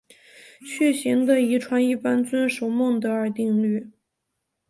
血型的遗传一般遵守孟德尔定律。